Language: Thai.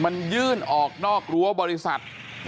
มันยื่นออกนอกรั้วบริษัท